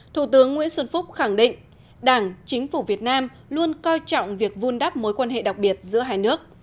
thủ tướng nguyễn xuân phúc khẳng định đảng chính phủ việt nam luôn coi trọng việc vun đắp mối quan hệ đặc biệt giữa hai nước